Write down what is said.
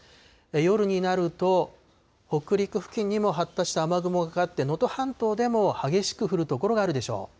夜になると、北陸付近にも発達した雨雲がかかって、能登半島でも激しく降る所があるでしょう。